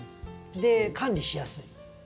で管理しやすい。